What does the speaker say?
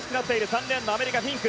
３レーンのアメリカ、フィンク。